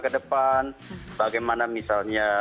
ke depan bagaimana misalnya